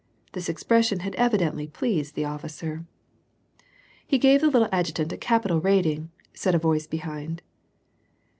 This ex])rpssion had evidently pleased the officer. " He gave the little adjutant a capital rating," said a voice* behind.